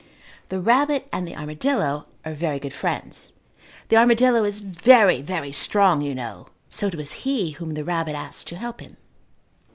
The rabbit and the armadillo are very good friends. The armadillo is very, very strong, you know, so it was he whom the rabbit asked to help him.